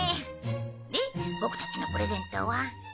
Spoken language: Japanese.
でボクたちのプレゼントは？